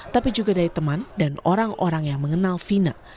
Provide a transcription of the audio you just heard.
tapi juga dari teman dan orang orang yang mengenal vina